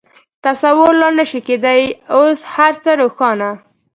تصور لا نه شوای کېدای، اوس هر څه روښانه.